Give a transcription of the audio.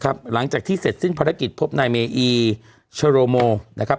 หลังจากที่เสร็จสิ้นภารกิจพบนายเมอีโชโรโมนะครับ